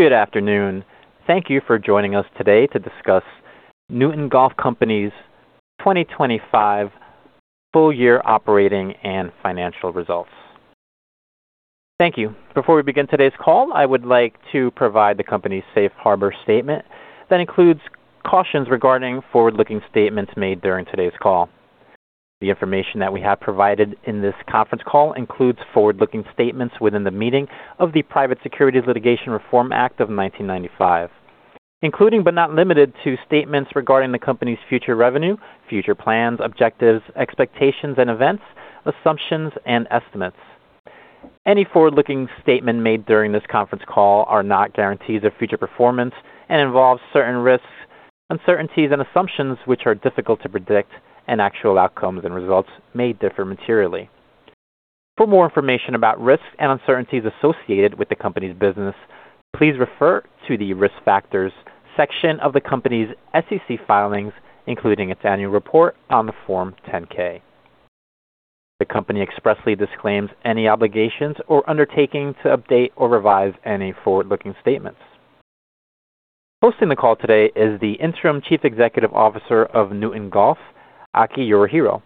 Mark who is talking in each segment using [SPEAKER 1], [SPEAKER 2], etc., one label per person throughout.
[SPEAKER 1] Good afternoon. Thank you for joining us today to discuss Newton Golf Company's 2025 full year operating and financial results. Thank you. Before we begin today's call, I would like to provide the company's Safe Harbor statement that includes cautions regarding forward-looking statements made during today's call. The information that we have provided in this conference call includes forward-looking statements within the meaning of the Private Securities Litigation Reform Act of 1995, including, but not limited to, statements regarding the company's future revenue, future plans, objectives, expectations and events, assumptions and estimates. Any forward-looking statement made during this conference call are not guarantees of future performance and involves certain risks, uncertainties, and assumptions which are difficult to predict, and actual outcomes and results may differ materially. For more information about risks and uncertainties associated with the company's business, please refer to the Risk Factors section of the company's SEC filings, including its annual report on the Form 10-K. The company expressly disclaims any obligations or undertaking to update or revise any forward-looking statements. Hosting the call today is the Interim Chief Executive Officer of Newton Golf, Akinobu Yorihiro,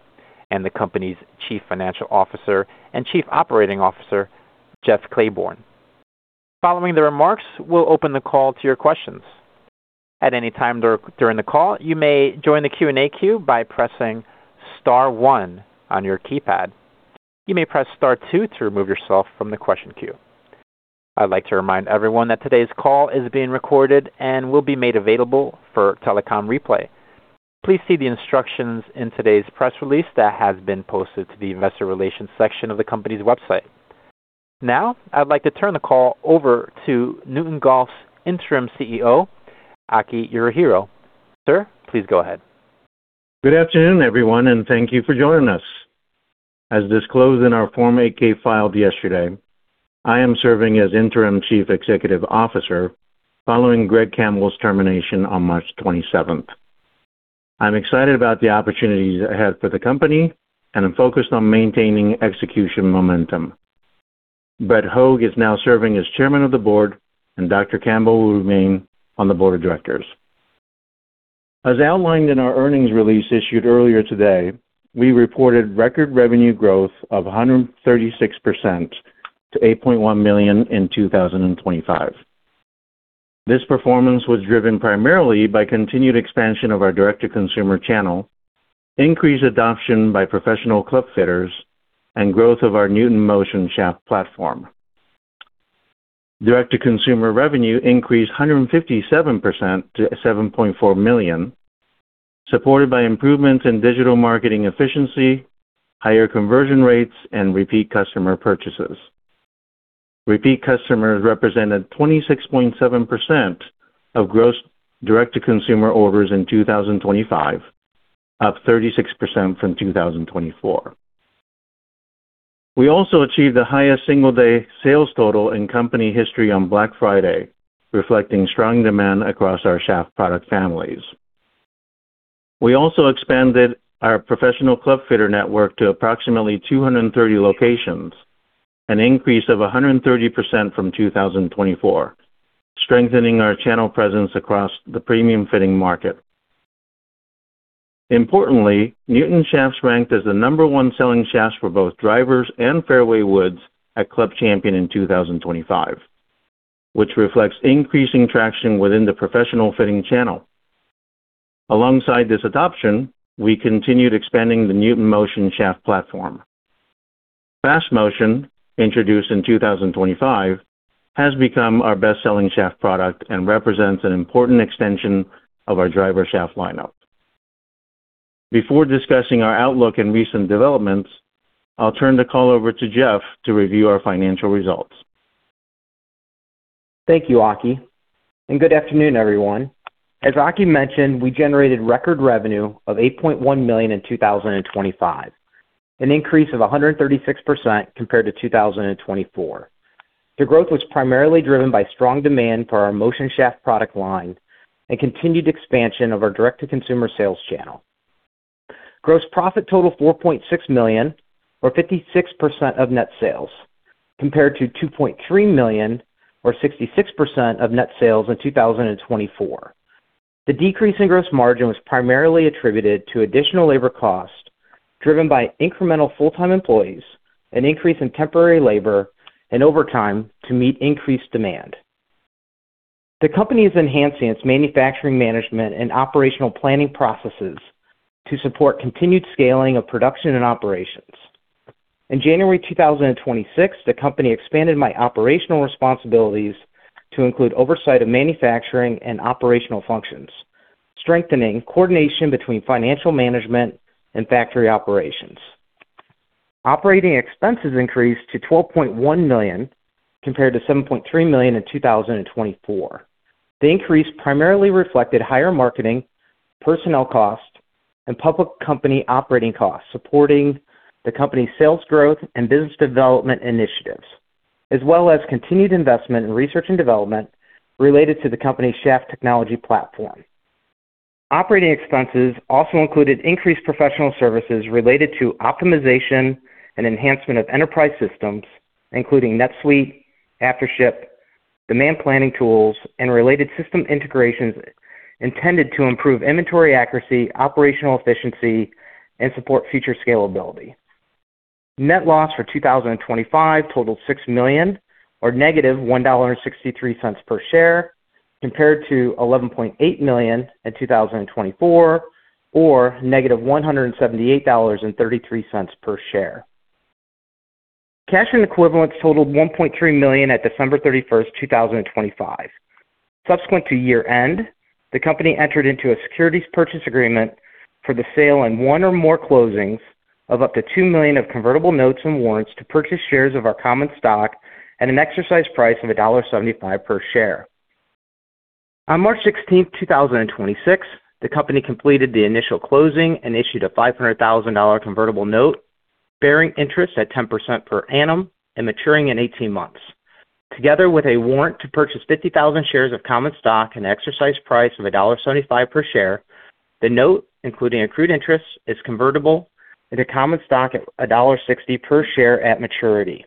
[SPEAKER 1] and the company's Chief Financial Officer and Chief Operating Officer, Jeff Clayborne. Following the remarks, we'll open the call to your questions. At any time during the call, you may join the Q&A queue by pressing star one on your keypad. You may press star two to remove yourself from the question queue. I'd like to remind everyone that today's call is being recorded and will be made available for telecom replay. Please see the instructions in today's press release that has been posted to the investor relations section of the company's website. Now, I'd like to turn the call over to Newton Golf's Interim CEO, Akinobu Yorihiro. Sir, please go ahead.
[SPEAKER 2] Good afternoon, everyone, and thank you for joining us. As disclosed in our Form 8-K filed yesterday, I am serving as Interim Chief Executive Officer following Greg Campbell's termination on March 27. I'm excited about the opportunities ahead for the company, and I'm focused on maintaining execution momentum. Brett Hoge is now serving as Chairman of the Board, and Dr. Campbell will remain on the board of directors. As outlined in our earnings release issued earlier today, we reported record revenue growth of 136% to $8.1 million in 2025. This performance was driven primarily by continued expansion of our direct-to-consumer channel, increased adoption by professional club fitters, and growth of our Newton Motion shaft platform. Direct-to-consumer revenue increased 157% to $7.4 million, supported by improvements in digital marketing efficiency, higher conversion rates, and repeat customer purchases. Repeat customers represented 26.7% of gross direct-to-consumer orders in 2025, up 36% from 2024. We also achieved the highest single day sales total in company history on Black Friday, reflecting strong demand across our shaft product families. We also expanded our professional club fitter network to approximately 230 locations, an increase of 130% from 2024, strengthening our channel presence across the premium fitting market. Importantly, Newton Shafts ranked as the number one selling shafts for both drivers and fairway woods at Club Champion in 2025, which reflects increasing traction within the professional fitting channel. Alongside this adoption, we continued expanding the Newton Motion shaft platform. Fast Motion, introduced in 2025, has become our best-selling shaft product and represents an important extension of our driver shaft lineup. Before discussing our outlook and recent developments, I'll turn the call over to Jeff to review our financial results.
[SPEAKER 3] Thank you, Aki, and good afternoon, everyone. As Aki mentioned, we generated record revenue of $8.1 million in 2025, an increase of 136% compared to 2024. The growth was primarily driven by strong demand for our Motion shaft product line and continued expansion of our direct-to-consumer sales channel. Gross profit totaled $4.6 million, or 56% of net sales, compared to $2.3 million or 66% of net sales in 2024. The decrease in gross margin was primarily attributed to additional labor costs driven by incremental full-time employees, an increase in temporary labor, and overtime to meet increased demand. The company is enhancing its manufacturing management and operational planning processes to support continued scaling of production and operations. In January 2026, the company expanded my operational responsibilities to include oversight of manufacturing and operational functions, strengthening coordination between financial management and factory operations. Operating expenses increased to $12.1 million, compared to $7.3 million in 2024. The increase primarily reflected higher marketing, personnel costs, and public company operating costs, supporting the company's sales growth and business development initiatives, as well as continued investment in research and development related to the company's shaft technology platform. Operating expenses also included increased professional services related to optimization and enhancement of enterprise systems, including NetSuite, AfterShip, demand planning tools, and related system integrations intended to improve inventory accuracy, operational efficiency, and support future scalability. Net loss for 2025 totaled $6 million or -$1.63 per share, compared to $11.8 million in 2024, or -$178.33 per share. Cash and equivalents totaled $1.3 million at December 31, 2025. Subsequent to year-end, the company entered into a securities purchase agreement for the sale in one or more closings of up to $2 million of convertible notes and warrants to purchase shares of our common stock at an exercise price of $75 per share. On March 16, 2026, the company completed the initial closing and issued a $500,000 convertible note bearing interest at 10% per annum and maturing in 18 months, together with a warrant to purchase 50,000 shares of common stock and exercise price of $75 per share. The note, including accrued interest, is convertible into common stock at $60 per share at maturity.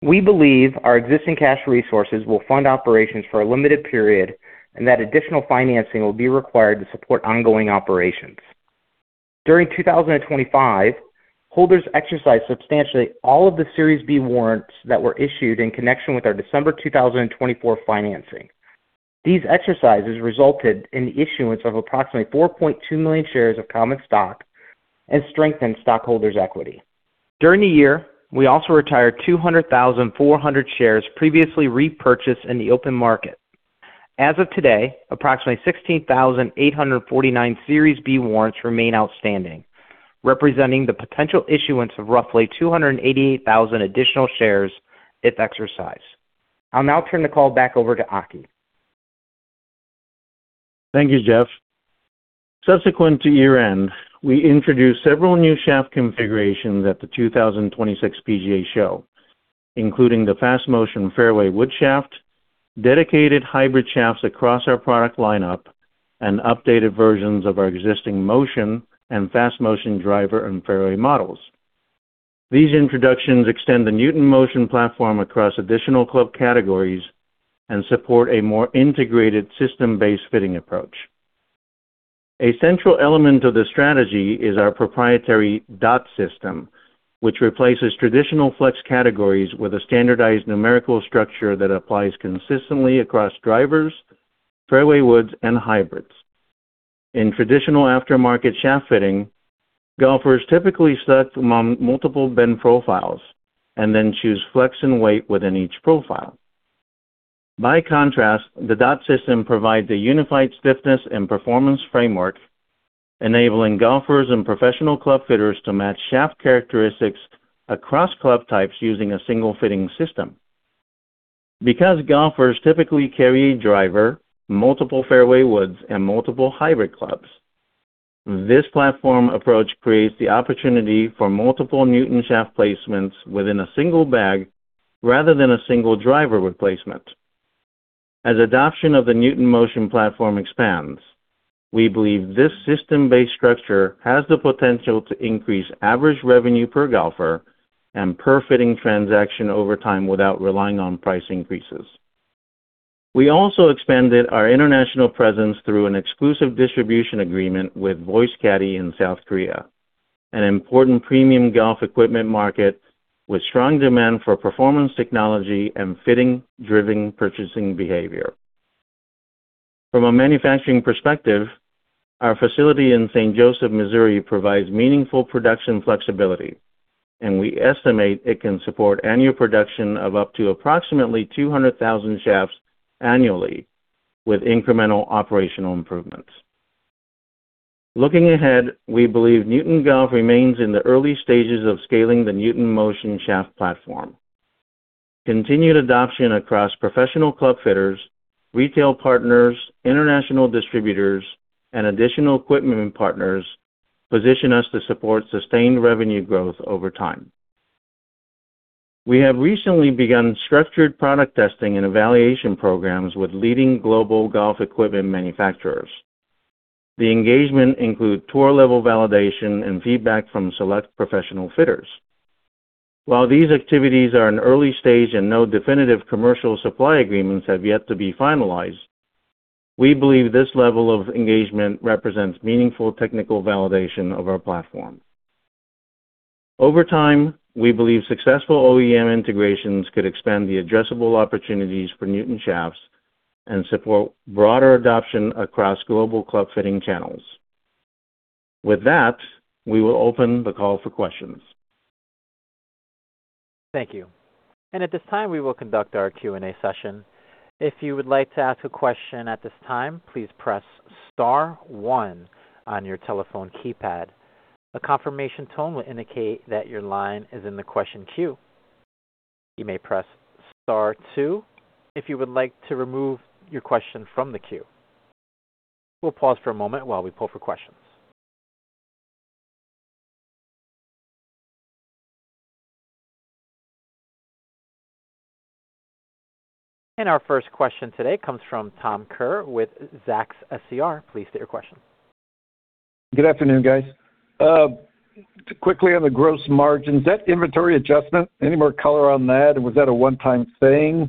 [SPEAKER 3] We believe our existing cash resources will fund operations for a limited period and that additional financing will be required to support ongoing operations. During 2025, holders exercised substantially all of the Series B warrants that were issued in connection with our December 2024 financing. These exercises resulted in the issuance of approximately 4.2 million shares of common stock and strengthened stockholders' equity. During the year, we also retired 200,400 shares previously repurchased in the open market. As of today, approximately 16,849 Series B warrants remain outstanding, representing the potential issuance of roughly 288,000 additional shares if exercised. I'll now turn the call back over to Aki.
[SPEAKER 2] Thank you, Jeff. Subsequent to year-end, we introduced several new shaft configurations at the 2026 PGA Show, including the Fast Motion fairway wood shafts, dedicated hybrid shafts across our product lineup, and updated versions of our existing Motion and Fast Motion driver and fairway models. These introductions extend the Newton Motion platform across additional club categories and support a more integrated system-based fitting approach. A central element of this strategy is our proprietary dot system, which replaces traditional flex categories with a standardized numerical structure that applies consistently across drivers, fairway woods, and hybrids. In traditional aftermarket shaft fitting, golfers typically select from multiple bend profiles and then choose flex and weight within each profile. By contrast, the dot system provides a unified stiffness and performance framework, enabling golfers and professional club fitters to match shaft characteristics across club types using a single fitting system. Because golfers typically carry a driver, multiple fairway woods, and multiple hybrid clubs, this platform approach creates the opportunity for multiple Newton Shaft placements within a single bag rather than a single driver replacement. As adoption of the Newton Motion platform expands, we believe this system-based structure has the potential to increase average revenue per golfer and per fitting transaction over time without relying on price increases. We also expanded our international presence through an exclusive distribution agreement with Voice Caddie in South Korea, an important premium golf equipment market with strong demand for performance technology and fitting-driven purchasing behavior. From a manufacturing perspective, our facility in St. Joseph, Missouri, provides meaningful production flexibility, and we estimate it can support annual production of up to approximately 200,000 shafts annually with incremental operational improvements. Looking ahead, we believe Newton Golf remains in the early stages of scaling the Newton Motion shaft platform. Continued adoption across professional club fitters, retail partners, international distributors, and additional equipment partners position us to support sustained revenue growth over time. We have recently begun structured product testing and evaluation programs with leading global golf equipment manufacturers. The engagement include tour-level validation and feedback from select professional fitters. While these activities are in early stage and no definitive commercial supply agreements have yet to be finalized, we believe this level of engagement represents meaningful technical validation of our platform. Over time, we believe successful OEM integrations could expand the addressable opportunities for Newton Shafts and support broader adoption across global club fitting channels. With that, we will open the call for questions.
[SPEAKER 1] Our first question today comes from Tom Kerr with Zacks SCR. Please state your question.
[SPEAKER 4] Good afternoon, guys. Quickly on the gross margins. That inventory adjustment, any more color on that, and was that a one-time thing?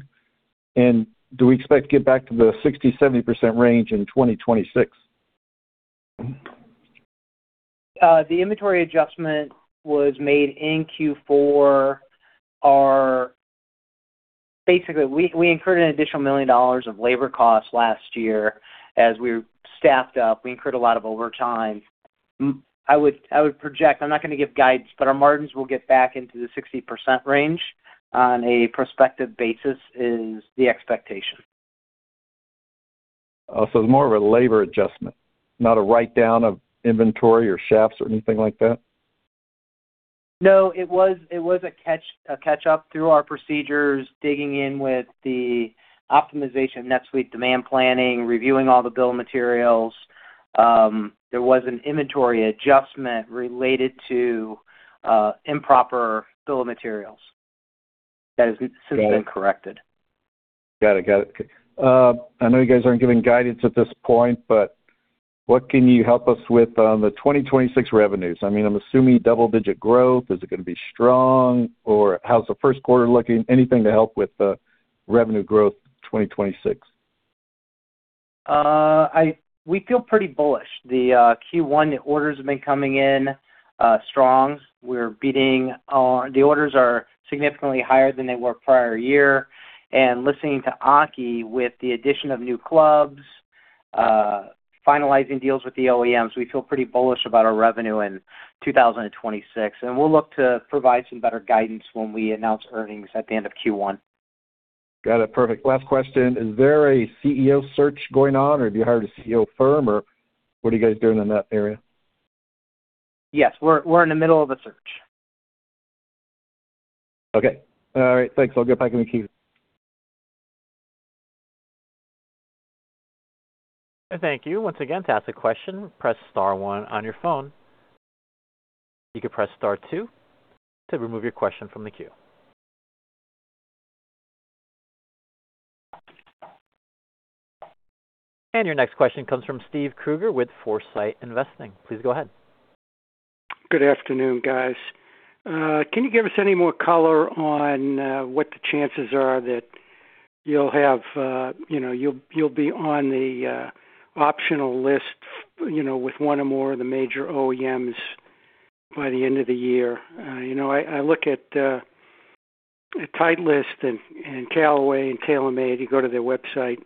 [SPEAKER 4] Do we expect to get back to the 60%-70% range in 2026?
[SPEAKER 3] The inventory adjustment was made in Q4. Basically, we incurred an additional $1 million of labor costs last year. As we staffed up, we incurred a lot of overtime. I would project, I'm not gonna give guidance, but our margins will get back into the 60% range on a prospective basis is the expectation.
[SPEAKER 4] It's more of a labor adjustment, not a write-down of inventory or shafts or anything like that?
[SPEAKER 3] No, it was a catch-up through our procedures, digging in with the optimization of NetSuite demand planning, reviewing all the bill of materials. There was an inventory adjustment related to improper bill of materials that has since been corrected.
[SPEAKER 4] Got it. I know you guys aren't giving guidance at this point, but what can you help us with on the 2026 revenues? I mean, I'm assuming double-digit growth. Is it gonna be strong, or how's the first quarter looking? Anything to help with the revenue growth 2026.
[SPEAKER 3] We feel pretty bullish. The Q1 orders have been coming in strong. The orders are significantly higher than they were prior year. Listening to Aki, with the addition of new clubs, finalizing deals with the OEMs, we feel pretty bullish about our revenue in 2026, and we'll look to provide some better guidance when we announce earnings at the end of Q1.
[SPEAKER 4] Got it. Perfect. Last question. Is there a CEO search going on, or have you hired a CEO firm, or what are you guys doing in that area?
[SPEAKER 3] Yes, we're in the middle of a search.
[SPEAKER 4] Okay. All right. Thanks. I'll give back in the queue.
[SPEAKER 1] Thank you. Once again, to ask a question, press star one on your phone. You can press star two to remove your question from the queue. Your next question comes from Steve Kruger with Foresight Investing. Please go ahead.
[SPEAKER 5] Good afternoon, guys. Can you give us any more color on what the chances are that you'll be on the optional list, you know, with one or more of the major OEMs by the end of the year? You know, I look at Titleist and Callaway and TaylorMade. You go to their website,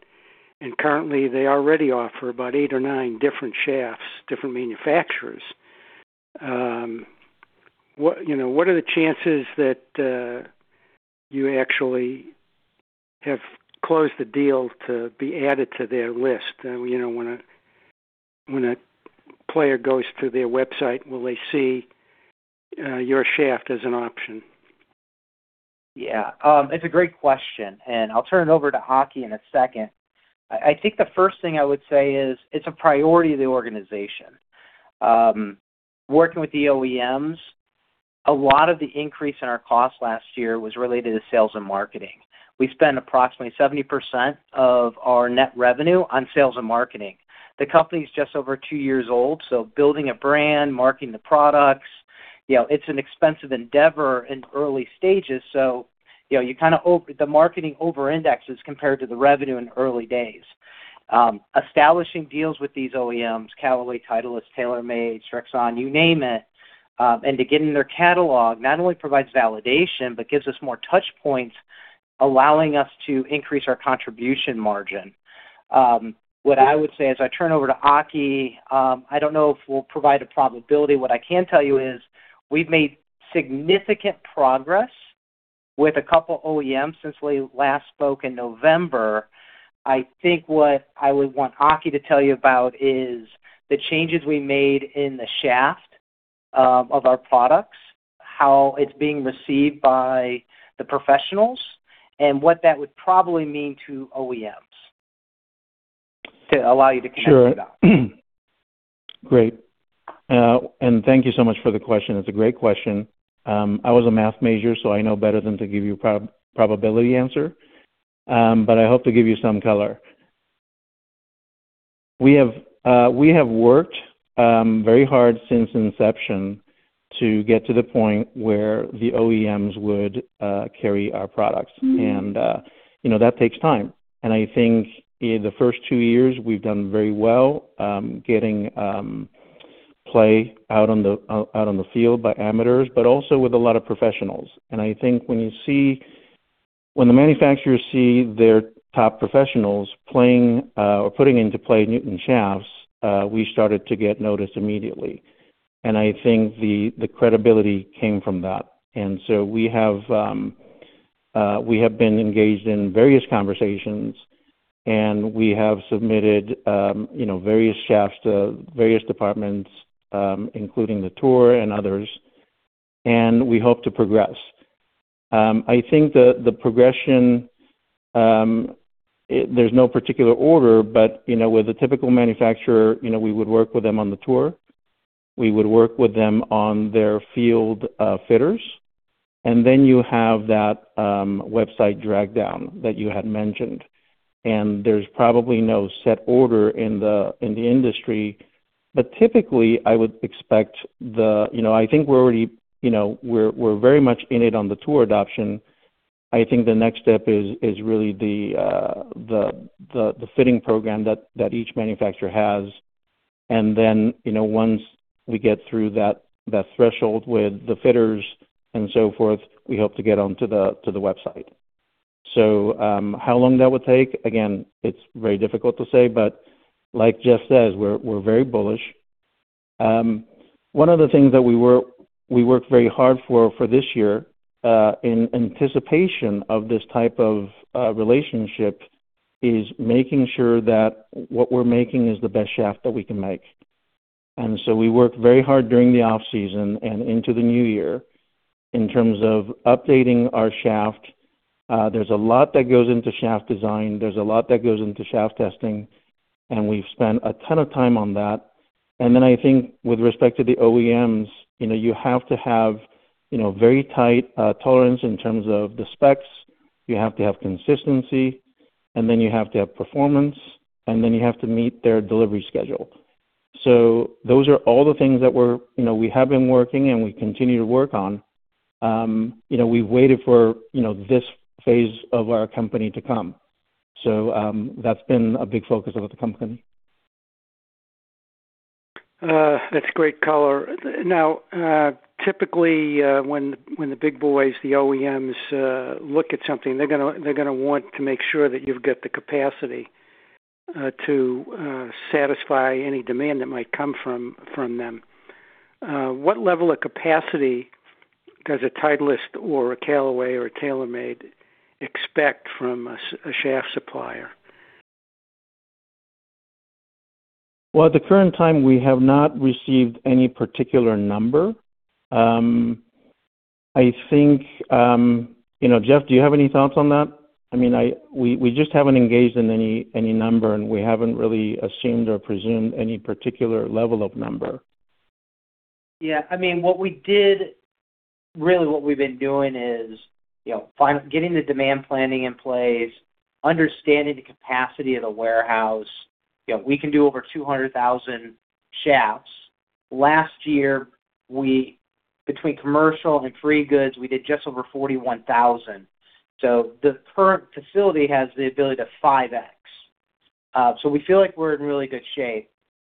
[SPEAKER 5] and currently they already offer about eight or nine different shafts, different manufacturers. What are the chances that you actually have closed the deal to be added to their list? You know, when a player goes to their website, will they see your shaft as an option?
[SPEAKER 3] Yeah. It's a great question, and I'll turn it over to Aki in a second. I think the first thing I would say is it's a priority of the organization. Working with the OEMs, a lot of the increase in our cost last year was related to sales and marketing. We spend approximately 70% of our net revenue on sales and marketing. The company is just over two years old, so building a brand, marketing the products, you know, it's an expensive endeavor in early stages, so you know, the marketing over-indexes compared to the revenue in the early days. Establishing deals with these OEMs, Callaway, Titleist, TaylorMade, Srixon, you name it, and to get in their catalog not only provides validation but gives us more touchpoints, allowing us to increase our contribution margin. What I would say as I turn over to Aki, I don't know if we'll provide a probability. What I can tell you is we've made significant progress with a couple OEMs since we last spoke in November. I think what I would want Aki to tell you about is the changes we made in the shaft of our products, how it's being received by the professionals, and what that would probably mean to OEMs to allow you to connect the dots.
[SPEAKER 2] Sure. Great. Thank you so much for the question. It's a great question. I was a math major, so I know better than to give you a probability answer, but I hope to give you some color. We have worked very hard since inception to get to the point where the OEMs would carry our products. You know, that takes time. I think in the first two years, we've done very well, getting play out on the field by amateurs, but also with a lot of professionals. I think when the manufacturers see their top professionals playing or putting into play Newton Shafts, we started to get noticed immediately. I think the credibility came from that. We have been engaged in various conversations, and we have submitted, you know, various shafts to various departments, including the tour and others, and we hope to progress. I think the progression, there's no particular order, but you know, with a typical manufacturer, you know, we would work with them on the tour. We would work with them on their field fitters, and then you have that website dropdown that you had mentioned. There's probably no set order in the industry. Typically, I would expect you know, I think we're already, you know, we're very much in it on the tour adoption. I think the next step is really the fitting program that each manufacturer has. You know, once we get through that threshold with the fitters and so forth, we hope to get on to the website. How long that would take? Again, it's very difficult to say, but like Jeff says, we're very bullish. One of the things that we work very hard for this year in anticipation of this type of relationship is making sure that what we're making is the best shaft that we can make. We work very hard during the off-season and into the new year in terms of updating our shaft. There's a lot that goes into shaft design, there's a lot that goes into shaft testing, and we've spent a ton of time on that. I think with respect to the OEMs, you know, you have to have, you know, very tight tolerance in terms of the specs. You have to have consistency, and then you have to have performance, and then you have to meet their delivery schedule. Those are all the things that we're, you know, we have been working and we continue to work on. You know, we waited for this phase of our company to come. That's been a big focus of the company.
[SPEAKER 5] That's great color. Now, typically, when the big boys, the OEMs, look at something, they're gonna want to make sure that you've got the capacity to satisfy any demand that might come from them. What level of capacity does a Titleist or a Callaway or a TaylorMade expect from a shaft supplier?
[SPEAKER 2] Well, at the current time, we have not received any particular number. I think, you know, Jeff, do you have any thoughts on that? I mean, we just haven't engaged in any number, and we haven't really assumed or presumed any particular level of number.
[SPEAKER 3] Yeah. I mean, really what we've been doing is, you know, getting the demand planning in place, understanding the capacity of the warehouse. You know, we can do over 200,000 shafts. Last year, between commercial and free goods, we did just over 41,000. The current facility has the ability to 5X. We feel like we're in really good shape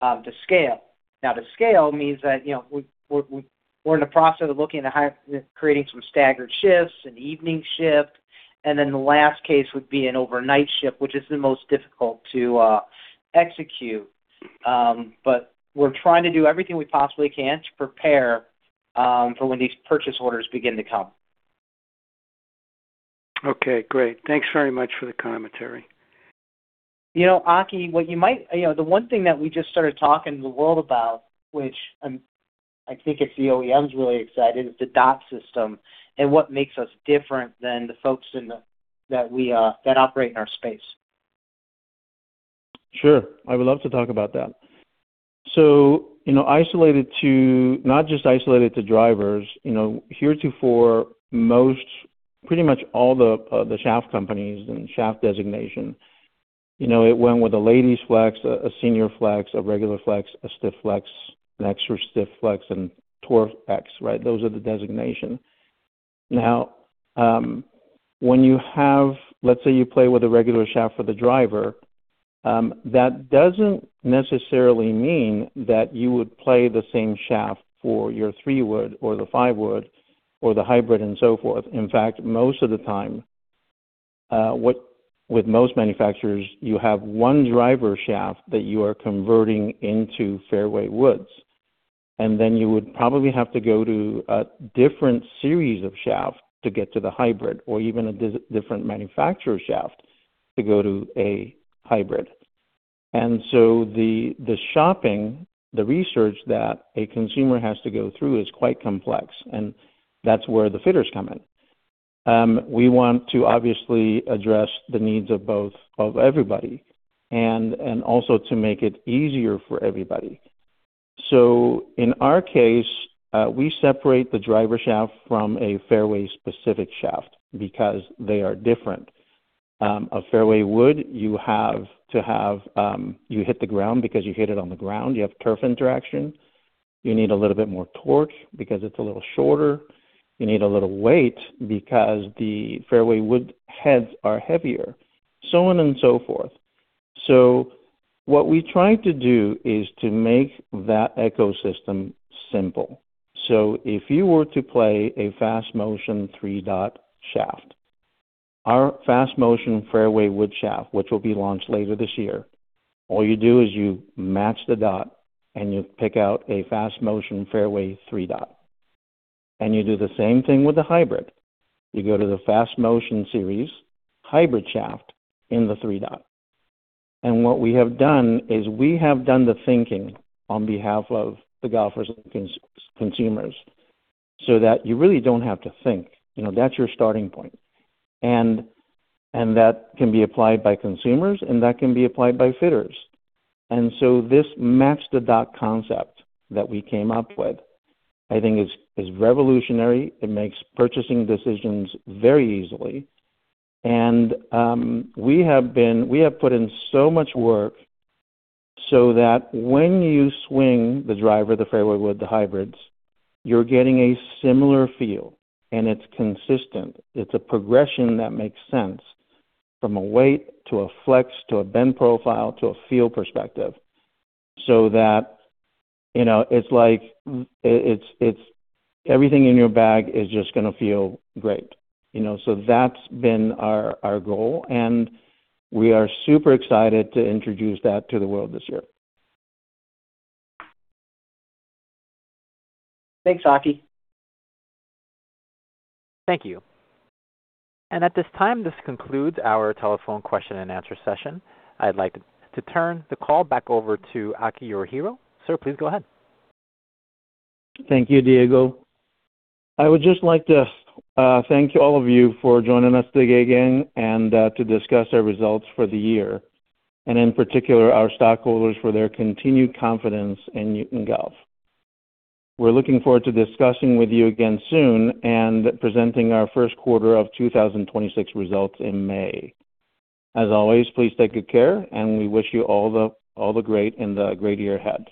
[SPEAKER 3] to scale. To scale means that, you know, we're in the process of looking to hire, creating some staggered shifts and evening shift, and then the last case would be an overnight shift, which is the most difficult to execute. We're trying to do everything we possibly can to prepare for when these purchase orders begin to come.
[SPEAKER 5] Okay, great. Thanks very much for the commentary.
[SPEAKER 3] You know, Aki, you know, the one thing that we just started talking to the world about, which I think it's the OEMs really excited, is the DOT system and what makes us different than the folks that operate in our space.
[SPEAKER 2] Sure. I would love to talk about that. You know, not just isolated to drivers, you know, heretofore most, pretty much all the shaft companies and shaft designation, you know, it went with a ladies flex, a senior flex, a regular flex, a stiff flex, an extra stiff flex, and tour flex, right? Those are the designation. Now, let's say you play with a regular shaft for the driver, that doesn't necessarily mean that you would play the same shaft for your three wood or the five wood or the hybrid and so forth. In fact, most of the time, with most manufacturers, you have one driver shaft that you are converting into fairway woods. Then you would probably have to go to a different series of shaft to get to the hybrid or even different manufacturer shaft to go to a hybrid. The shopping, the research that a consumer has to go through is quite complex, and that's where the fitters come in. We want to obviously address the needs of both of everybody and also to make it easier for everybody. In our case, we separate the driver shaft from a fairway-specific shaft because they are different. A fairway wood, you have to have you hit the ground because you hit it on the ground, you have turf interaction. You need a little bit more torque because it's a little shorter. You need a little weight because the fairway wood heads are heavier, so on and so forth. What we try to do is to make that ecosystem simple. If you were to play a Fast Motion three dot shaft, our Fast Motion fairway wood shaft, which will be launched later this year, all you do is you match the dot, and you pick out a Fast Motion fairway three dot. You do the same thing with the hybrid. You go to the Fast Motion series, hybrid shaft in the three dot. What we have done is we have done the thinking on behalf of the golfers and consumers. That you really don't have to think, you know, that's your starting point. That can be applied by consumers, and that can be applied by fitters. This match-the-dot concept that we came up with, I think is revolutionary. It makes purchasing decisions very easily. We have put in so much work so that when you swing the driver, the fairway wood, the hybrids, you're getting a similar feel, and it's consistent. It's a progression that makes sense from a weight to a flex to a bend profile to a feel perspective. That, you know, it's like, it's everything in your bag is just gonna feel great. You know? That's been our goal, and we are super excited to introduce that to the world this year.
[SPEAKER 5] Thanks, Aki.
[SPEAKER 1] Thank you. At this time, this concludes our telephone question and answer session. I'd like to turn the call back over to Aki. Sir, please go ahead.
[SPEAKER 2] Thank you, Diego. I would just like to thank all of you for joining us today again and to discuss our results for the year. In particular, our stockholders for their continued confidence in Newton Golf. We're looking forward to discussing with you again soon and presenting our first quarter of 2026 results in May. As always, please take good care, and we wish you all the great in the great year ahead.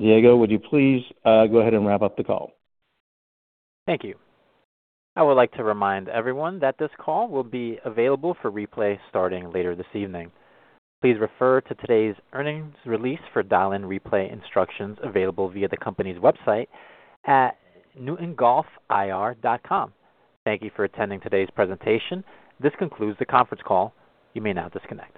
[SPEAKER 2] Diego, would you please go ahead and wrap up the call?
[SPEAKER 1] Thank you. I would like to remind everyone that this call will be available for replay starting later this evening. Please refer to today's earnings release for dial-in replay instructions available via the company's website at newtongolfir.com. Thank you for attending today's presentation. This concludes the conference call. You may now disconnect.